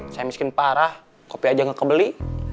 saya miskin parah kopi aja nggak kebeli